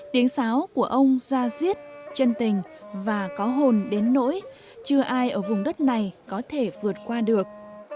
tiếng sáo của ông ra diết chân tình và có hồn đến nỗi chưa ai ở vùng đất này có thể vượt qua được